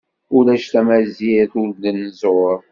Ulac tamazirt ur d-nzuṛ.